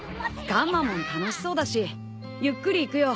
ガンマモン楽しそうだしゆっくり行くよ。